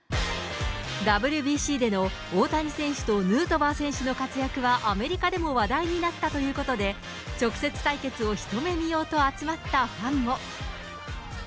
ＷＢＣでの大谷選手とヌートバー選手の活躍はアメリカでも話題になったということで、直接対決を一目見ようと集まったファンも。